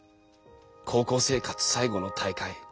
高校生活最後の大会